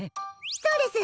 そうです！